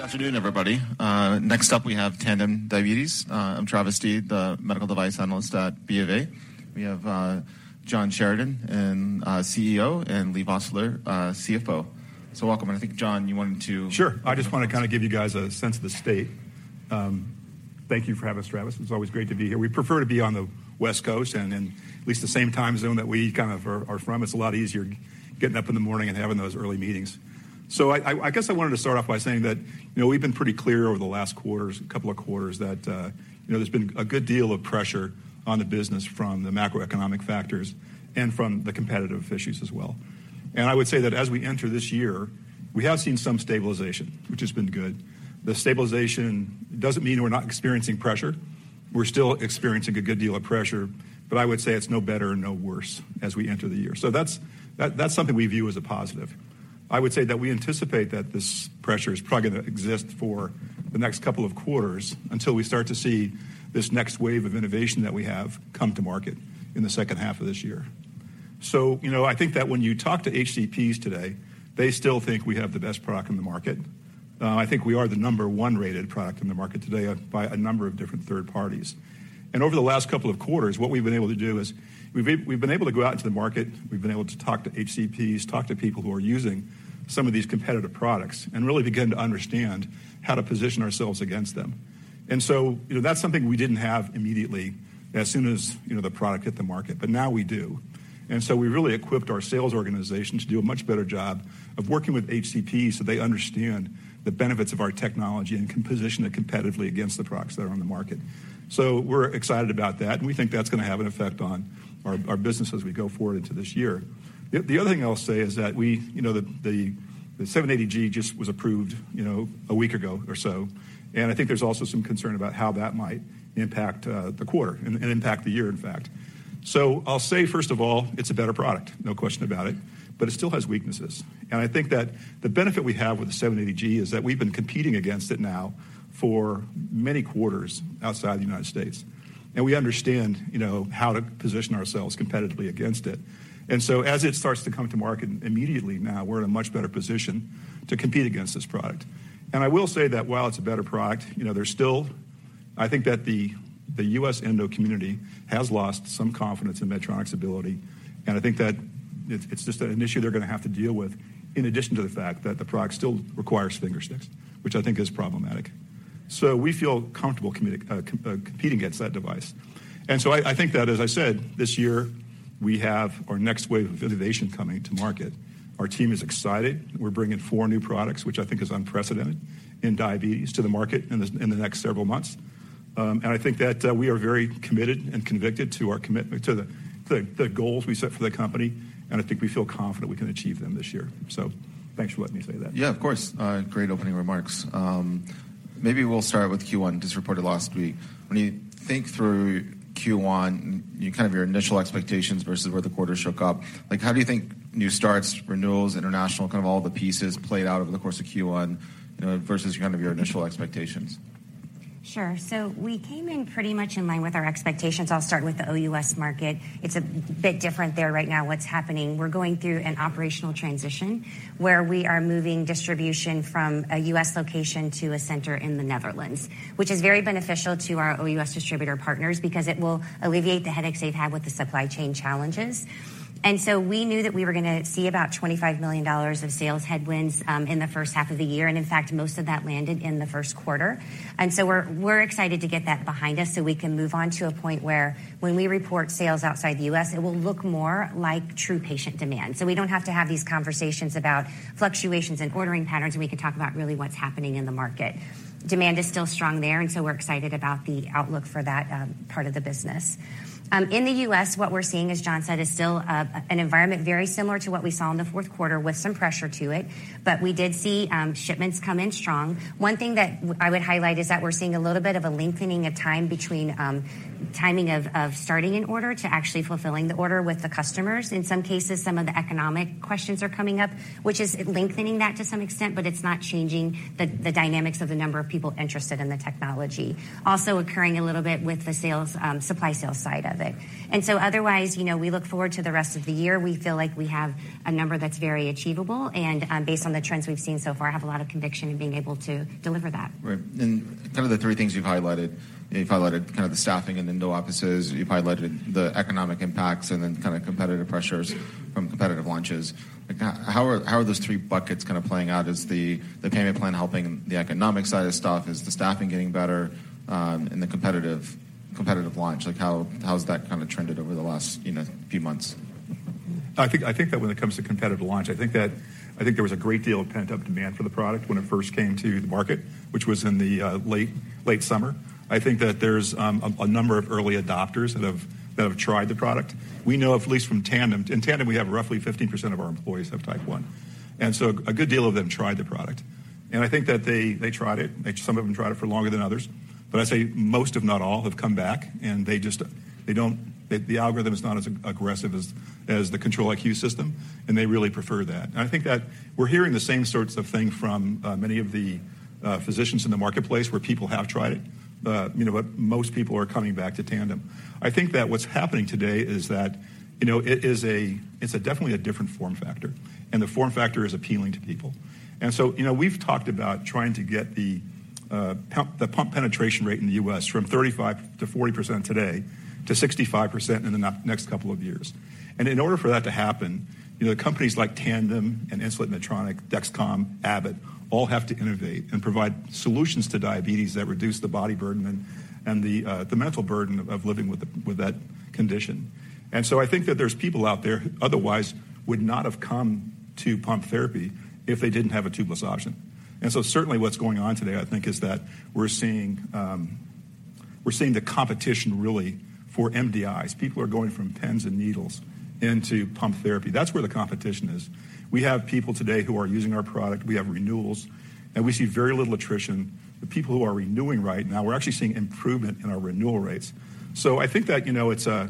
Good afternoon, everybody. Next up, we have Tandem Diabetes. I'm Travis Steed, the medical device analyst at BofA. We have, John Sheridan, CEO, and Leigh Vosseller, CFO. Welcome. I think, John, you wanted to- Sure. I just want to kind of give you guys a sense of the state. Thank you for having us, Travis. It's always great to be here. We prefer to be on the West Coast and in at least the same time zone that we kind of are from. It's a lot easier getting up in the morning and having those early meetings I guess I wanted to start off by saying that, you know, we've been pretty clear over the last quarters, couple of quarters that, you know, there's been a good deal of pressure on the business from the macroeconomic factors and from the competitive issues as well. I would say that as we enter this year, we have seen some stabilization, which has been good. The stabilization doesn't mean we're not experiencing pressure. We're still experiencing a good deal of pressure, I would say it's no better or no worse as we enter the year. That's something we view as a positive. I would say that we anticipate that this pressure is probably gonna exist for the next couple of quarters until we start to see this next wave of innovation that we have come to market in the second half of this year. You know, I think that when you talk to HCPs today, they still think we have the best product in the market. I think we are the number one rated product in the market today by a number of different third parties. Over the last couple of quarters, what we've been able to do is we've been able to go out into the market. We've been able to talk to HCPs, talk to people who are using some of these competitive products and really begin to understand how to position ourselves against them. you know, that's something we didn't have immediately as soon as, you know, the product hit the market, but now we do. We really equipped our sales organization to do a much better job of working with HCPs so they understand the benefits of our technology and can position it competitively against the products that are on the market. We're excited about that, and we think that's going to have an effect on our business as we go forward into this year. The other thing I'll say is that we, you know, the 780G just was approved, you know, a week ago or so, and I think there's also some concern about how that might impact the quarter and impact the year, in fact. I'll say, first of all, it's a better product, no question about it, but it still has weaknesses. I think that the benefit we have with the 780G is that we've been competing against it now for many quarters outside the United States, and we understand, you know, how to position ourselves competitively against it. As it starts to come to market immediately now we're in a much better position to compete against this product. I will say that while it's a better product, you know, I think that the U.S. Endo community has lost some confidence in Medtronic's ability, and I think that it's just an issue they're going to have to deal with, in addition to the fact that the product still requires finger sticks, which I think is problematic. We feel comfortable competing against that device. I think that, as I said, this year, we have our next wave of innovation coming to market. Our team is excited. We're bringing four new products, which I think is unprecedented in diabetes to the market in the next several months. I think that, we are very committed and convicted to our goals we set for the company, and I think we feel confident we can achieve them this year. Thanks for letting me say that. Yeah, of course. Great opening remarks. Maybe we'll start with Q1, just reported last week. When you think through Q1, your initial expectations versus where the quarter shook up. Like, how do you think new starts, renewals, international, kind of all the pieces played out over the course of Q1, you know, versus kind of your initial expectations? Sure. We came in pretty much in line with our expectations. I'll start with the OUS market. It's a bit different there right now, what's happening. We're going through an operational transition where we are moving distribution from a U.S. location to a center in the Netherlands, which is very beneficial to our OUS distributor partners because it will alleviate the headaches they've had with the supply chain challenges. We knew that we were gonna see about $25 million of sales headwinds in the first half of the year. In fact, most of that landed in the first quarter. We're excited to get that behind us so we can move on to a point where when we report sales outside the U.S., it will look more like true patient demand. We don't have to have these conversations about fluctuations in ordering patterns, and we can talk about really what's happening in the market. Demand is still strong there, we're excited about the outlook for that part of the business. In the U.S., what we're seeing, as John said, is still an environment very similar to what we saw in the fourth quarter with some pressure to it. We did see shipments come in strong. One thing that I would highlight is that we're seeing a little bit of a lengthening of time between timing of starting an order to actually fulfilling the order with the customers. In some cases, some of the economic questions are coming up, which is lengthening that to some extent, but it's not changing the dynamics of the number of people interested in the technology. Also occurring a little bit with the sales, supply sales side of it. Otherwise, you know, we look forward to the rest of the year. We feel like we have a number that's very achievable, and, based on the trends we've seen so far, have a lot of conviction in being able to deliver that. Right. Some of the three things you've highlighted, you've highlighted kind of the staffing and the no offices, you've highlighted the economic impacts and then kind of competitive pressures from competitive launches. Like, how are those three buckets kind of playing out? Is the payment plan helping the economic side of stuff? Is the staffing getting better in the competitive launch? Like, how has that kind of trended over the last, you know, few months? I think that when it comes to competitive launch, I think there was a great deal of pent-up demand for the product when it first came to the market, which was in the late summer. I think that there's a number of early adopters that have tried the product. We know of at least from Tandem. In Tandem, we have roughly 15% of our employees have Type 1, a good deal of them tried the product. I think that they tried it. Some of them tried it for longer than others. I'd say most, if not all, have come back, and they just don't. The algorithm is not as aggressive as the Control-IQ system, and they really prefer that. I think that we're hearing the same sorts of thing from many of the physicians in the marketplace where people have tried it. You know, but most people are coming back to Tandem. I think that what's happening today is that, you know, it's a definitely a different form factor, and the form factor is appealing to people. You know, we've talked about trying to get the pump penetration rate in the U.S. from 35%-40% today to 65% in the next couple of years. In order for that to happen, you know, companies like Tandem and Insulet, Medtronic, DexCom, Abbott, all have to innovate and provide solutions to diabetes that reduce the body burden and the mental burden of living with that condition. I think that there's people out there who otherwise would not have come to pump therapy if they didn't have a tubeless option. Certainly what's going on today, I think, is that we're seeing, we're seeing the competition really for MDIs. People are going from pens and needles into pump therapy. That's where the competition is. We have people today who are using our product. We have renewals, and we see very little attrition. The people who are renewing right now, we're actually seeing improvement in our renewal rates. I think that, you know, I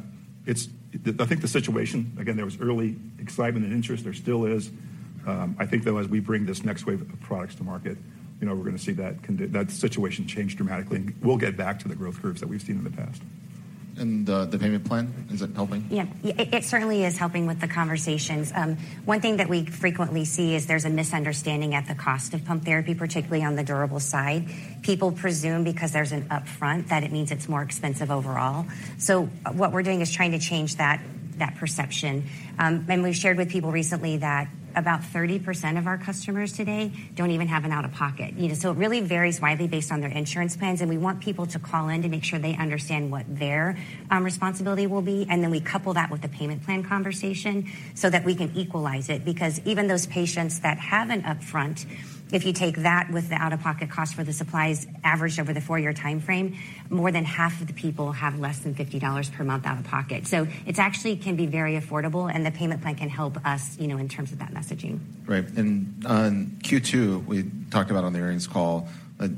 think the situation again, there was early excitement and interest. There still is. I think, though, as we bring this next wave of products to market, you know, we're gonna see that situation change dramatically. We'll get back to the growth curves that we've seen in the past. The payment plan, is it helping? Yeah. It certainly is helping with the conversations. One thing that we frequently see is there's a misunderstanding at the cost of pump therapy, particularly on the durable side. People presume because there's an upfront, that it means it's more expensive overall. What we're doing is trying to change that perception. We've shared with people recently that about 30% of our customers today don't even have an out-of-pocket need. It really varies widely based on their insurance plans, and we want people to call in to make sure they understand what their responsibility will be. We couple that with the payment plan conversation so that we can equalize it. Even those patients that have an upfront, if you take that with the out-of-pocket cost for the supplies averaged over the four-year timeframe, more than half of the people have less than $50 per month out of pocket. It's actually can be very affordable, and the payment plan can help us, you know, in terms of that messaging. Right. On Q2, we talked about on the earnings call,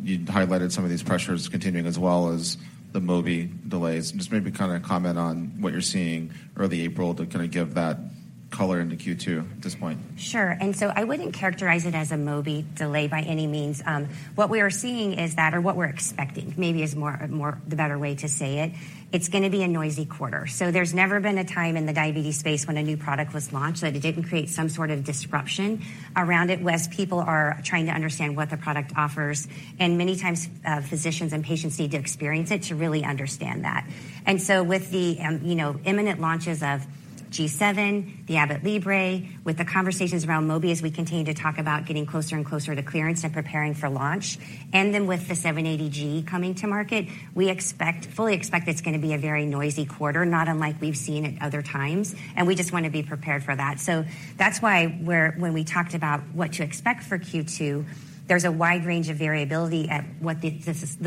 you highlighted some of these pressures continuing as well as the Mobi delays. Just maybe kind of comment on what you're seeing early April to kind of give that color into Q2 at this point? Sure. I wouldn't characterize it as a Mobi delay by any means. What we are seeing is that or what we're expecting maybe is more the better way to say it. It's gonna be a noisy quarter. There's never been a time in the diabetes space when a new product was launched that it didn't create some sort of disruption around it, whereas people are trying to understand what the product offers, and many times, physicians and patients need to experience it to really understand that. With the, you know, imminent launches of G7, the Abbott Libre, with the conversations around Mobi, as we continue to talk about getting closer and closer to clearance and preparing for launch. With the 780G coming to market, we fully expect it's gonna be a very noisy quarter, not unlike we've seen at other times, and we just wanna be prepared for that. That's why when we talked about what to expect for Q2, there's a wide range of variability at what the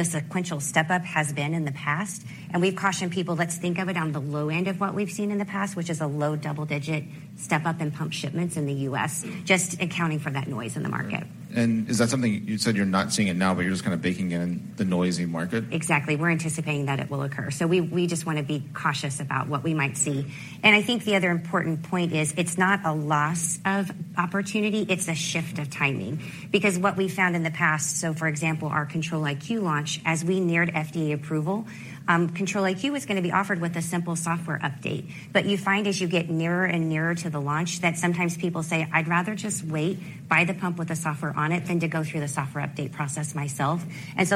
sequential step-up has been in the past. We've cautioned people, let's think of it on the low end of what we've seen in the past, which is a low double-digit step-up in pump shipments in the U.S., just accounting for that noise in the market. Is that something you said you're not seeing it now, but you're just kind of baking in the noisy market? Exactly. We're anticipating that it will occur. We just wanna be cautious about what we might see. I think the other important point is it's not a loss of opportunity. It's a shift of timing because what we found in the past, for example, our Control-IQ launch, as we neared FDA approval, Control-IQ was gonna be offered with a simple software update. You find as you get nearer and nearer to the launch that sometimes people say, "I'd rather just wait, buy the pump with the software on it than to go through the software update process myself."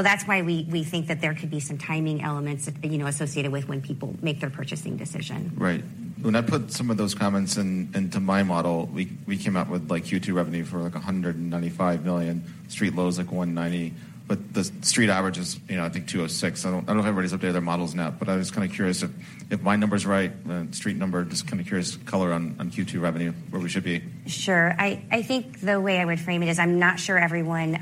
That's why we think that there could be some timing elements, you know, associated with when people make their purchasing decision. Right. When I put some of those comments in, into my model, we came out with like Q2 revenue for like $195 million. Street low is like $190 million. The street average is, you know, I think $206 million. I don't know if everybody's updated their models now, I was kind of curious if my number's right, the street number just kind of curious color on Q2 revenue, where we should be. Sure. I think the way I would frame it is I'm not sure everyone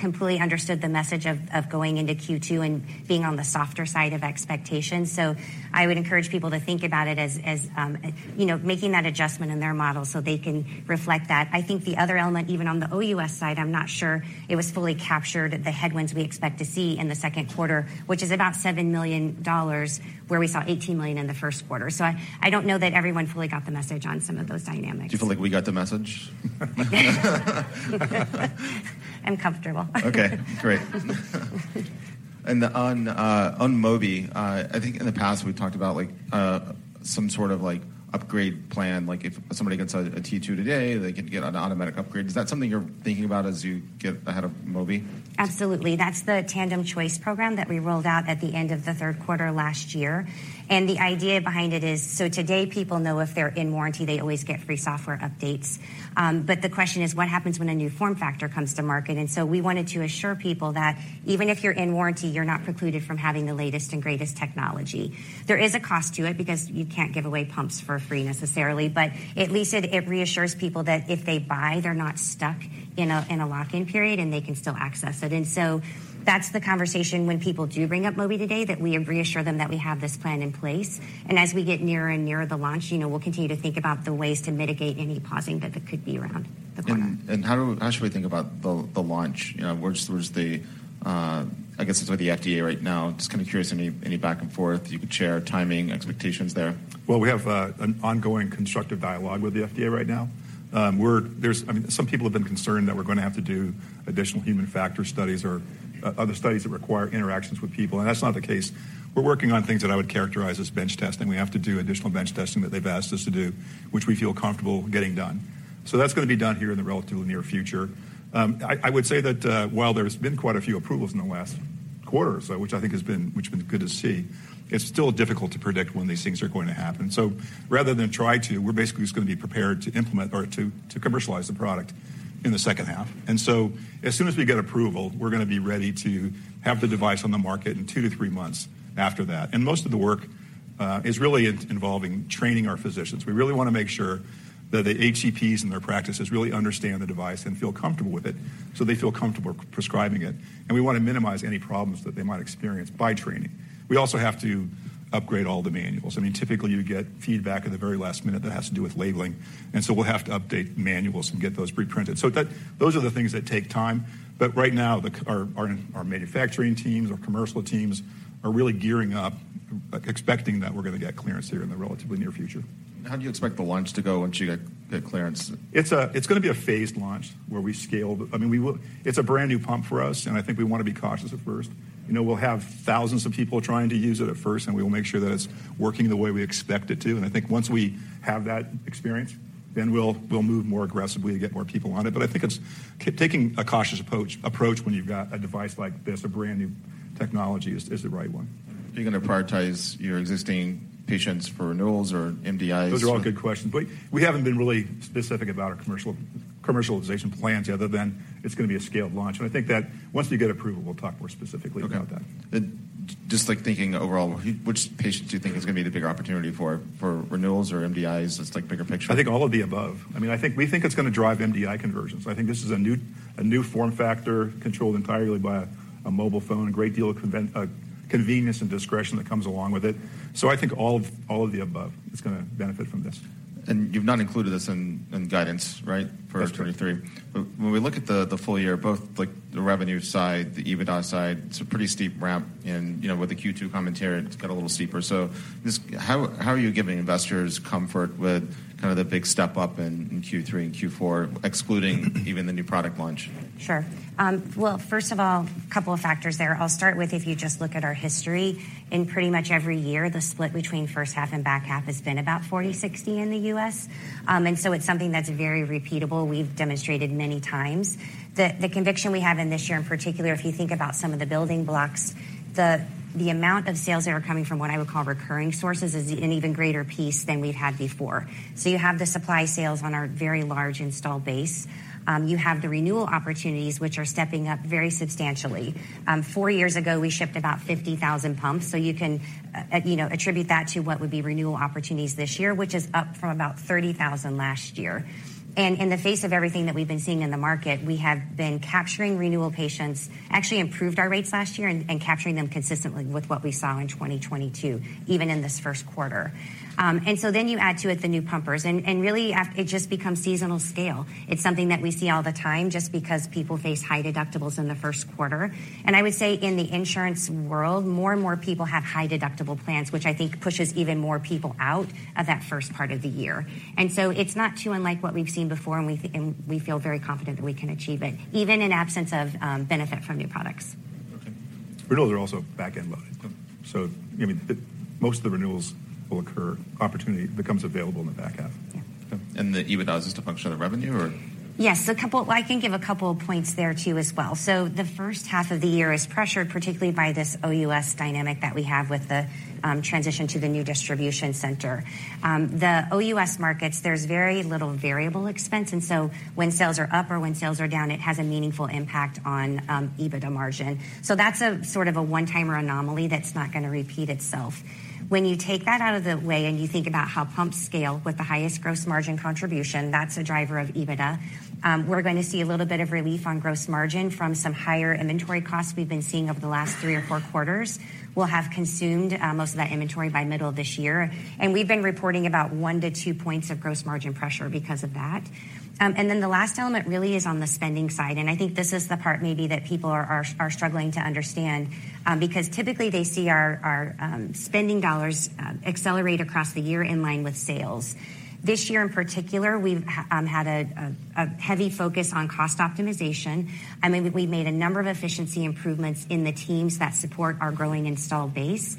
completely understood the message of going into Q2 and being on the softer side of expectations. I would encourage people to think about it as, you know, making that adjustment in their model so they can reflect that. I think the other element, even on the OUS side, I'm not sure it was fully captured the headwinds we expect to see in the second quarter, which is about $7 million, where we saw $18 million in the first quarter. I don't know that everyone fully got the message on some of those dynamics. Do you feel like we got the message? I'm comfortable. Okay, great. On, on Mobi, I think in the past, we've talked about like, some sort of like upgrade plan. Like if somebody gets a T2 today, they get to get an automatic upgrade. Is that something you're thinking about as you get ahead of Mobi? Absolutely. That's the Tandem Choice program that we rolled out at the end of the third quarter last year. The idea behind it is, today, people know if they're in warranty, they always get free software updates. The question is, what happens when a new form factor comes to market? We wanted to assure people that even if you're in warranty, you're not precluded from having the latest and greatest technology. There is a cost to it because you can't give away pumps for free necessarily, but at least it reassures people that if they buy, they're not stuck in a lock-in period, and they can still access it. That's the conversation when people do bring up Mobi today that we reassure them that we have this plan in place. As we get nearer and nearer the launch, you know, we'll continue to think about the ways to mitigate any pausing that there could be around the corner. How should we think about the launch? You know, where's the, I guess it's with the FDA right now. Just kind of curious any back and forth you could share, timing, expectations there? We have an ongoing constructive dialogue with the FDA right now. I mean, some people have been concerned that we're gonna have to do additional human factor studies or other studies that require interactions with people, and that's not the case. We're working on things that I would characterize as bench testing. We have to do additional bench testing that they've asked us to do, which we feel comfortable getting done. That's gonna be done here in the relatively near future. I would say that while there's been quite a few approvals in the last quarter, so been good to see. It's still difficult to predict when these things are going to happen. Rather than try to, we're basically just gonna be prepared to implement or to commercialize the product in the second half. As soon as we get approval, we're gonna be ready to have the device on the market in two to three months after that. Most of the work is really in involving training our physicians. We really wanna make sure that the HCPs and their practices really understand the device and feel comfortable with it so they feel comfortable prescribing it. We wanna minimize any problems that they might experience by training. We also have to upgrade all the manuals. I mean, typically, you get feedback at the very last minute that has to do with labeling, we'll have to update manuals and get those pre-printed. Those are the things that take time. Right now, our manufacturing teams, our commercial teams are really gearing up, expecting that we're gonna get clearance here in the relatively near future. How do you expect the launch to go once you get clearance? It's gonna be a phased launch where we scale. I mean, we will. It's a brand-new pump for us. I think we wanna be cautious at first. You know, we'll have thousands of people trying to use it at first. We will make sure that it's working the way we expect it to. I think once we have that experience, then we'll move more aggressively to get more people on it. I think it's taking a cautious approach when you've got a device like this, a brand-new technology is the right one. Are you gonna prioritize your existing patients for renewals or MDIs? Those are all good questions. We haven't been really specific about our commercialization plans yet other than it's gonna be a scaled launch. I think that once we get approval, we'll talk more specifically about that. Okay. Just like thinking overall, which patients do you think is gonna be the bigger opportunity for renewals or MDIs? Just like bigger picture. I think all of the above. I mean, I think we think it's gonna drive MDI conversions. I think this is a new form factor controlled entirely by a mobile phone, a great deal of convenience and discretion that comes along with it. I think all of the above is gonna benefit from this. You've not included this in guidance, right? That's right. For 2023. When we look at the full year, both like the revenue side, the EBITDA side, it's a pretty steep ramp. You know, with the Q2 commentary, it's got a little steeper. Just how are you giving investors comfort with kind of the big step up in Q3 and Q4, excluding even the new product launch? Sure. Well, first of all, couple of factors there. I'll start with if you just look at our history. In pretty much every year, the split between first half and back half has been about 40, 60 in the U.S. It's something that's very repeatable. We've demonstrated many times. The conviction we have in this year, in particular, if you think about some of the building blocks, the amount of sales that are coming from what I would call recurring sources is an even greater piece than we've had before. You have the supply sales on our very large installed base. You have the renewal opportunities, which are stepping up very substantially. Four years ago, we shipped about 50,000 pumps, so you know, attribute that to what would be renewal opportunities this year, which is up from about 30,000 last year. In the face of everything that we've been seeing in the market, we have been capturing renewal patients, actually improved our rates last year and capturing them consistently with what we saw in 2022, even in this first quarter. You add to it the new pumpers. Really it just becomes seasonal scale. It's something that we see all the time, just because people face high deductibles in the first quarter. I would say in the insurance world, more and more people have high deductible plans, which I think pushes even more people out of that first part of the year. It's not too unlike what we've seen before, and we feel very confident that we can achieve it, even in absence of benefit from new products. Okay. Renewals are also back-end loaded. Yeah. I mean, the most of the renewals will occur, opportunity becomes available in the back half. Yeah. Okay. The EBITDA is just a function of revenue or? Yes. Well, I can give a couple of points there too as well. The first half of the year is pressured, particularly by this OUS dynamic that we have with the transition to the new distribution center. The OUS markets, there's very little variable expense, and so when sales are up or when sales are down, it has a meaningful impact on EBITDA margin. That's a sort of a one-timer anomaly that's not gonna repeat itself. When you take that out of the way and you think about how pumps scale with the highest gross margin contribution, that's a driver of EBITDA. We're going to see a little bit of relief on gross margin from some higher inventory costs we've been seeing over the last three or four quarters. We'll have consumed most of that inventory by middle of this year, and we've been reporting about 1-2 points of gross margin pressure because of that. Then the last element really is on the spending side, and I think this is the part maybe that people are struggling to understand because typically they see our spending dollars accelerate across the year in line with sales. This year in particular, we've had a heavy focus on cost optimization. We've made a number of efficiency improvements in the teams that support our growing installed base.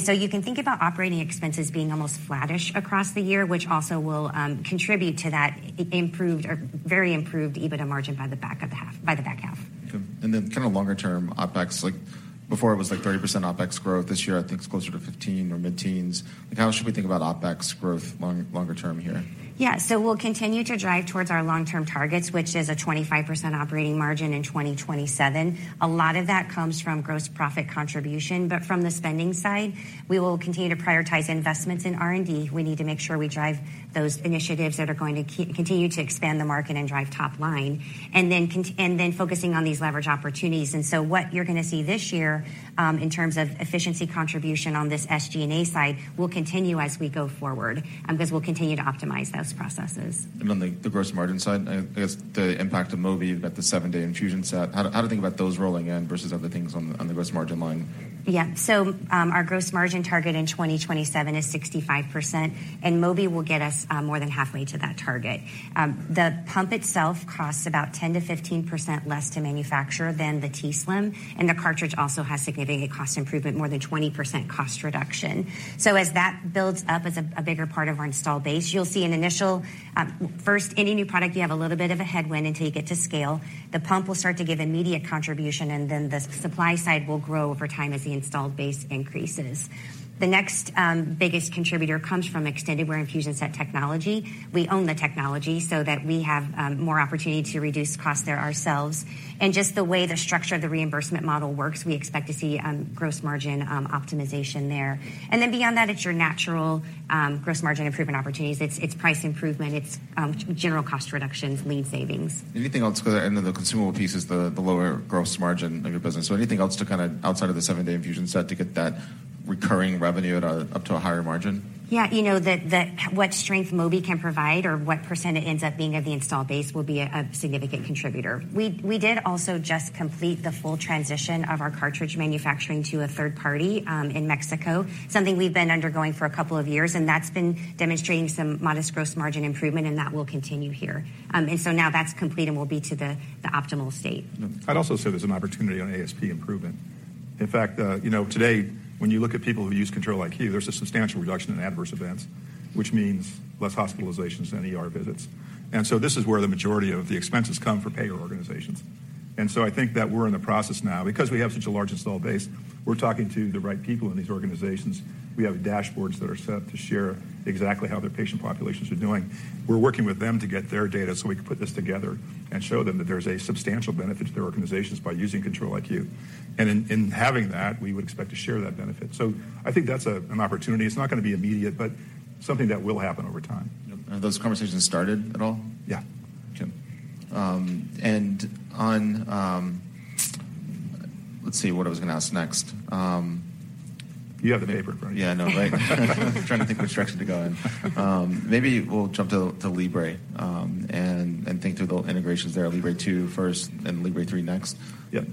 So you can think about operating expenses being almost flattish across the year, which also will contribute to that improved or very improved EBITDA margin by the back half. Okay. kind of longer term, OpEx, like, before it was like 30% OpEx growth. This year, I think it's closer to 15 or mid-teens. Like, how should we think about OpEx growth longer term here? We'll continue to drive towards our long-term targets, which is a 25% operating margin in 2027. A lot of that comes from gross profit contribution. From the spending side, we will continue to prioritize investments in R&D. We need to make sure we drive those initiatives that are going to continue to expand the market and drive top line. Focusing on these leverage opportunities. What you're gonna see this year, in terms of efficiency contribution on this SG&A side will continue as we go forward, because we'll continue to optimize those processes. On the gross margin side, I guess the impact of Mobi about the 7-day infusion set, how to think about those rolling in versus other things on the gross margin line? Our gross margin target in 2027 is 65%, and Mobi will get us more than halfway to that target. The pump itself costs about 10%-15% less to manufacture than the t:slim, and the cartridge also has significant cost improvement, more than 20% cost reduction. As that builds up as a bigger part of our installed base, you'll see an initial, first any new product, you have a little bit of a headwind until you get to scale. The pump will start to give immediate contribution, and then the supply side will grow over time as the installed base increases. The next biggest contributor comes from extended wear infusion set technology. We own the technology so that we have more opportunity to reduce costs there ourselves. Just the way the structure of the reimbursement model works, we expect to see gross margin optimization there. Beyond that, it's your natural gross margin improvement opportunities. It's price improvement. It's general cost reductions, lead savings. Anything else? The consumable piece is the lower gross margin of your business. Anything else to kinda outside of the seven-day infusion set to get that recurring revenue up to a higher margin? Yeah. You know, what strength Mobi can provide or what % it ends up being of the installed base will be a significant contributor. We did also just complete the full transition of our cartridge manufacturing to a third party in Mexico, something we've been undergoing for a couple of years, and that's been demonstrating some modest gross margin improvement, and that will continue here. Now that's complete and will be to the optimal state. I'd also say there's an opportunity on ASP improvement. In fact, you know, today, when you look at people who use Control-IQ, there's a substantial reduction in adverse events, which means less hospitalizations and ER visits. This is where the majority of the expenses come from payer organizations. I think that we're in the process now. Because we have such a large install base, we're talking to the right people in these organizations. We have dashboards that are set up to share exactly how their patient populations are doing. We're working with them to get their data so we can put this together and show them that there's a substantial benefit to their organizations by using Control-IQ. In having that, we would expect to share that benefit. I think that's an opportunity. It's not gonna be immediate, but something that will happen over time. Yep. Are those conversations started at all? Yeah. Okay. Let's see what I was gonna ask next. You have the paper, right? Yeah, I know, right. Trying to think which direction to go in. Maybe we'll jump to Libre, and think through the integrations there. Libre two first, then Libre three next. Yep.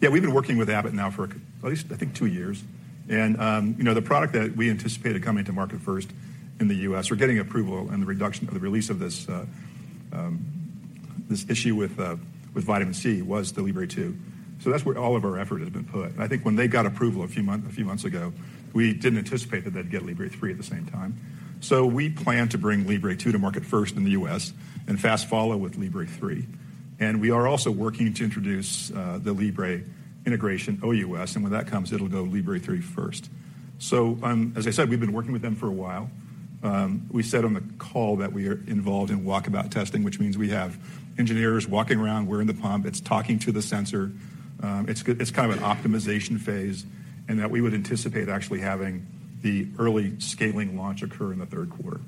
Yeah, we've been working with Abbott now for at least I think 2 years. You know, the product that we anticipated coming to market first in the U.S. or getting approval and the reduction of the release of this issue with vitamin C was the Libre 2. That's where all of our effort has been put. I think when they got approval a few months ago, we didn't anticipate that they'd get Libre 3 at the same time. We plan to bring Libre 2 to market first in the U.S. and fast follow with Libre 3. We are also working to introduce the Libre integration OUS, and when that comes, it'll go Libre 3 first. As I said, we've been working with them for a while. We said on the call that we are involved in walkabout testing, which means we have engineers walking around wearing the pump. It's talking to the sensor. It's kind of an optimization phase, and that we would anticipate actually having the early scaling launch occur in the third quarter.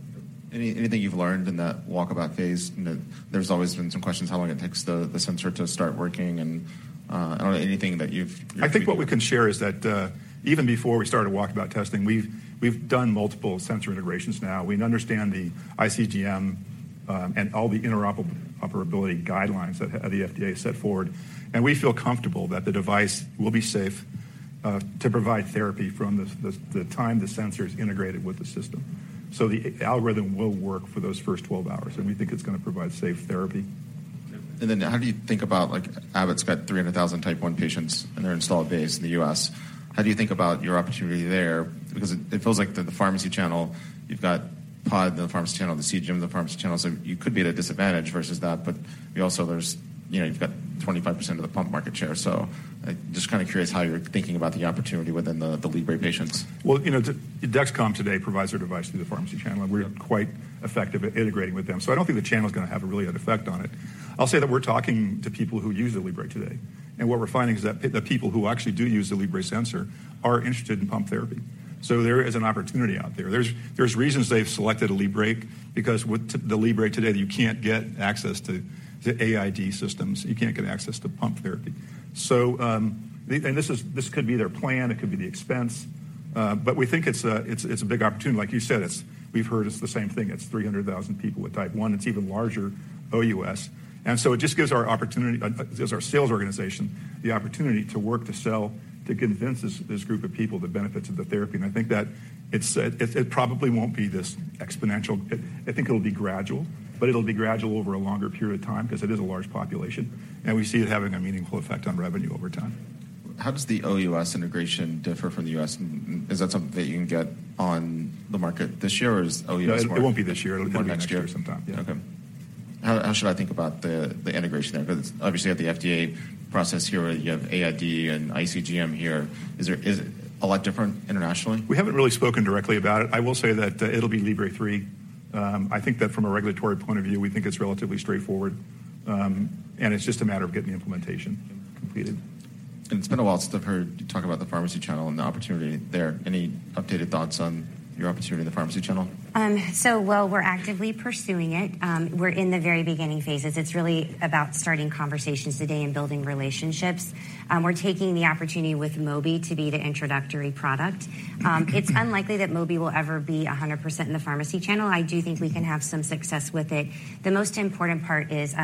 Anything you've learned in that walkabout phase? You know, there's always been some questions how long it takes the sensor to start working and I don't know anything. I think what we can share is that, even before we started walkabout testing, we've done multiple sensor integrations now. We understand the iCGM, and all the interoperability guidelines that the FDA set forward, and we feel comfortable that the device will be safe to provide therapy from the time the sensor is integrated with the system. The algorithm will work for those first 12 hours, and we think it's gonna provide safe therapy. How do you think about, like, Abbott's got 300,000 Type 1 patients in their installed base in the U.S. How do you think about your opportunity there? It feels like the pharmacy channel, you've got Pod in the pharmacy channel, the CGM in the pharmacy channel, so you could be at a disadvantage versus that. You also there's, you know, you've got 25% of the pump market share. I'm just kind of curious how you're thinking about the opportunity within the Libre patients. Well, you know, DexCom today provides their device through the pharmacy channel, and we're quite effective at integrating with them. I don't think the channel's gonna have a really an effect on it. I'll say that we're talking to people who use the Libre today, and what we're finding is that the people who actually do use the Libre sensor are interested in pump therapy. There is an opportunity out there. There's reasons they've selected a Libre because with the Libre today, you can't get access to the AID systems. You can't get access to pump therapy. This is, this could be their plan, it could be the expense, but we think it's a big opportunity. Like you said, we've heard it's the same thing. It's 300,000 people with Type 1. It's even larger OUS. It just gives our sales organization the opportunity to work to sell, to convince this group of people the benefits of the therapy. I think that it's, it probably won't be this exponential. It, I think it'll be gradual, but it'll be gradual over a longer period of time 'cause it is a large population, and we see it having a meaningful effect on revenue over time. How does the OUS integration differ from the U.S.? Is that something that you can get on the market this year, or is OUS more- No, it won't be this year. It'll be next year. It'll be next year sometime. Yeah. Okay. How should I think about the integration there? Obviously you have the FDA process here, you have AID and iCGM here. Is it a lot different internationally? We haven't really spoken directly about it. I will say that it'll be Libre 3. I think that from a regulatory point of view, we think it's relatively straightforward, and it's just a matter of getting the implementation completed. It's been a while since I've heard you talk about the pharmacy channel and the opportunity there. Any updated thoughts on your opportunity in the pharmacy channel? So while we're actively pursuing it, we're in the very beginning phases. It's really about starting conversations today and building relationships. We're taking the opportunity with Mobi to be the introductory product. It's unlikely that Mobi will ever be 100% in the pharmacy channel. I do think we can have some success with it. The most important part is,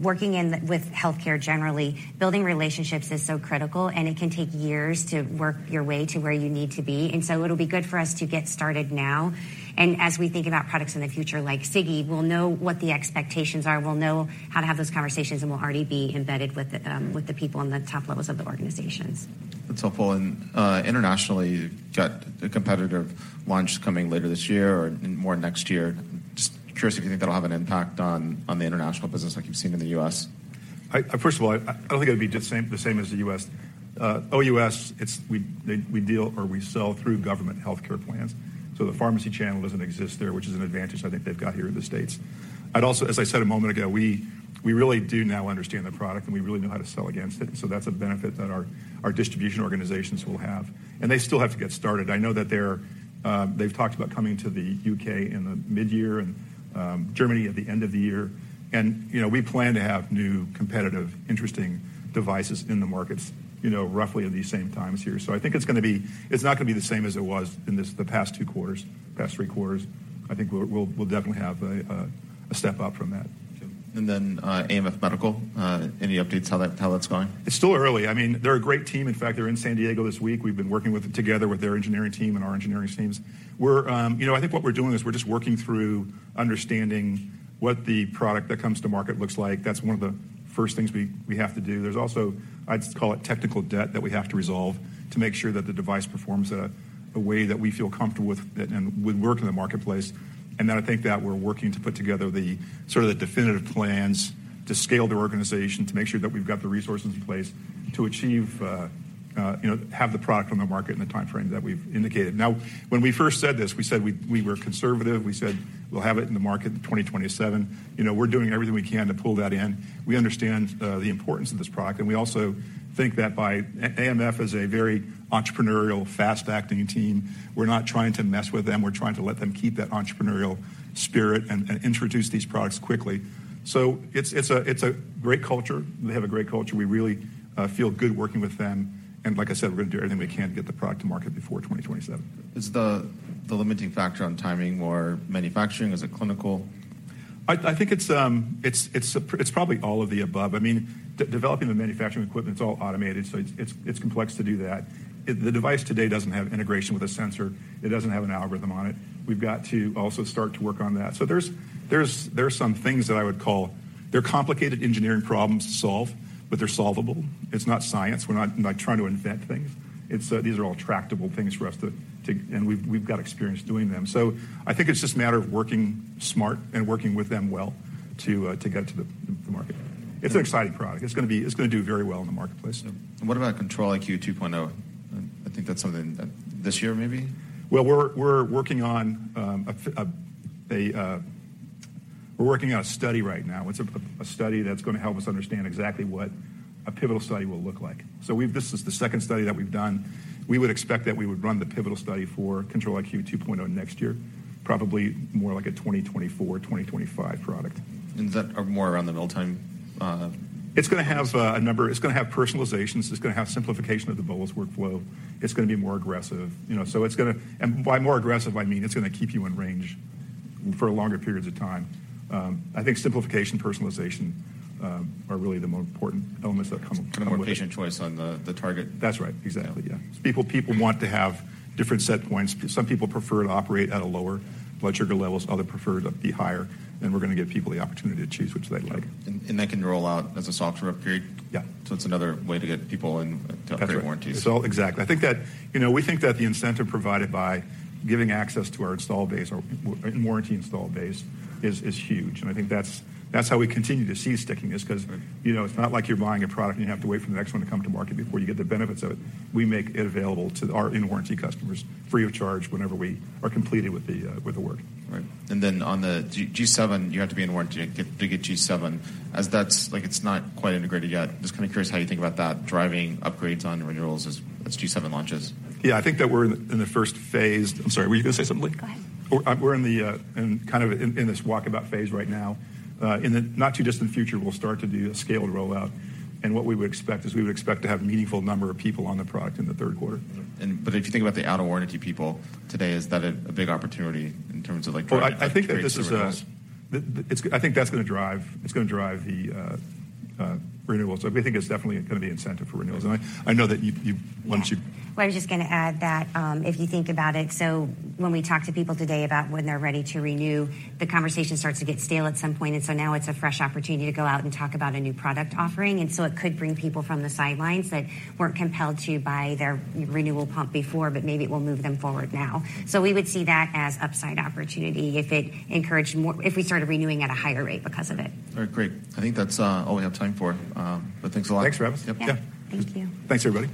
working with healthcare generally, building relationships is so critical, and it can take years to work your way to where you need to be. It'll be good for us to get started now. As we think about products in the future, like Sigi, we'll know what the expectations are. We'll know how to have those conversations, and we'll already be embedded with the, with the people in the top levels of the organizations. That's helpful. Internationally, you've got a competitive launch coming later this year or more next year. Just curious if you think that'll have an impact on the international business like you've seen in the U.S.? First of all, I don't think it'll be the same as the U.S. OUS, it's we deal or we sell through government healthcare plans, so the pharmacy channel doesn't exist there, which is an advantage I think they've got here in the States. I'd also, as I said a moment ago, we really do now understand the product, and we really know how to sell against it, and so that's a benefit that our distribution organizations will have. They still have to get started. I know that they're, they've talked about coming to the U.K. in the midyear and Germany at the end of the year. You know, we plan to have new competitive, interesting devices in the markets, you know, roughly at these same times here. I think it's not gonna be the same as it was in this, the past two quarters, past three quarters. I think we'll definitely have a step up from that. Then, AMF Medical, any updates how that, how that's going? It's still early. I mean, they're a great team. In fact, they're in San Diego this week. We've been working with them together with their engineering team and our engineering teams. We're, you know, I think what we're doing is we're just working through understanding what the product that comes to market looks like. That's one of the first things we have to do. There's also, I'd call it technical debt that we have to resolve to make sure that the device performs at a way that we feel comfortable with and would work in the marketplace. I think that we're working to put together the sort of the definitive plans to scale their organization to make sure that we've got the resources in place to achieve, you know, have the product on the market in the timeframe that we've indicated. When we first said this, we said we were conservative. We said, "We'll have it in the market in 2027." You know, we're doing everything we can to pull that in. We understand the importance of this product, and we also think that by AMF is a very entrepreneurial, fast-acting team. We're not trying to mess with them. We're trying to let them keep that entrepreneurial spirit and introduce these products quickly. It's a great culture. They have a great culture. We really feel good working with them. Like I said, we're gonna do everything we can to get the product to market before 2027. Is the limiting factor on timing more manufacturing? Is it clinical? I think it's probably all of the above. I mean, de-developing the manufacturing equipment, it's all automated, so it's complex to do that. The device today doesn't have integration with a sensor. It doesn't have an algorithm on it. We've got to also start to work on that. There's some things that I would call... They're complicated engineering problems to solve, but they're solvable. It's not science. We're not like trying to invent things. These are all tractable things for us to... And we've got experience doing them. I think it's just a matter of working smart and working with them well to get to the market. It's an exciting product. It's gonna do very well in the marketplace. What about Control-IQ 2.0? I think that's something that this year, maybe? Well, we're working on a study right now. It's a study that's gonna help us understand exactly what a pivotal study will look like. This is the second study that we've done. We would expect that we would run the pivotal study for Control-IQ 2.0 next year, probably more like a 2024, 2025 product. Is that more around the mealtime? It's gonna have a number. It's gonna have personalizations. It's gonna have simplification of the bolus workflow. It's gonna be more aggressive, you know. By more aggressive, I mean, it's gonna keep you in range for longer periods of time. I think simplification, personalization, are really the more important elements. More patient choice on the target. That's right. Exactly. Yeah. People- People want to have different set points. Some people prefer to operate at a lower blood sugar levels, others prefer to be higher. We're gonna give people the opportunity to choose which they like. That can roll out as a software upgrade. Yeah. it's another way to get people in to upgrade warranties. Exactly. I think that, you know, we think that the incentive provided by giving access to our install base, our warranty install base is huge. I think that's how we continue to see stickiness 'cause, you know, it's not like you're buying a product and you have to wait for the next one to come to market before you get the benefits of it. We make it available to our in-warranty customers free of charge whenever we are completed with the work. Right. On the G7, you have to be in warranty to get G7 as that's, like, it's not quite integrated yet. Just kind of curious how you think about that driving upgrades on renewals as G7 launches. Yeah, I think that we're in the first phase. I'm sorry. Were you gonna say something, Blake? Go ahead. We're in kind of this walkabout phase right now. In the not too distant future, we'll start to do a scaled rollout. What we would expect is to have a meaningful number of people on the product in the third quarter. If you think about the out-of-warranty people today, is that a big opportunity in terms of like? Well, I think that this is a. ...upgrades to renewals. I think that's gonna drive, it's gonna drive the renewals. I think it's definitely gonna be incentive for renewals. I know that you, once you. Well, I was just gonna add that, if you think about it, when we talk to people today about when they're ready to renew, the conversation starts to get stale at some point. Now it's a fresh opportunity to go out and talk about a new product offering. It could bring people from the sidelines that weren't compelled to buy their renewal pump before, but maybe it will move them forward now. We would see that as upside opportunity if it encouraged more, if we started renewing at a higher rate because of it. All right. Great. I think that's all we have time for. Thanks a lot. Thanks, Travis. Yep. Yeah. Thank you. Thanks, everybody.